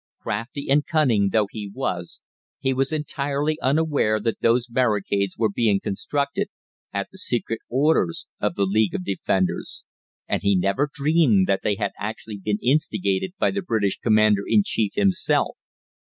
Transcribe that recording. Crafty and cunning though he was, he was entirely unaware that those barricades were being constructed at the secret orders of the League of Defenders, and he never dreamed that they had actually been instigated by the British Commander in Chief himself.